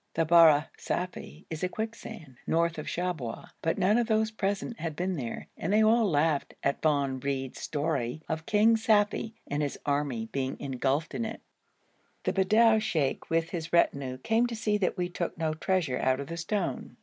The Bahr Safi is a quicksand, north of Shabwa, but none of those present had been there, and they all laughed at Von Wrede's story of King Safi and his army being engulfed in it. The Bedou sheikh with his retinue came to see that we took no treasure out of the stone.